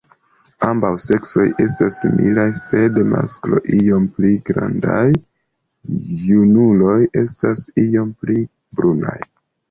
Ambaŭ seksoj estas similaj sed maskloj iom pli grandaj; junuloj estas iom pli brunaj.